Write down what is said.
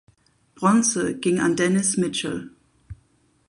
Bronze ging an Dennis Mitchell.